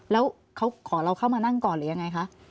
แล้วเขาขอเราเข้ามานั่งก่อนหรือยังไงคะ